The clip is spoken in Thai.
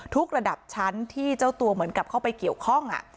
ระดับชั้นที่เจ้าตัวเหมือนกับเข้าไปเกี่ยวข้อง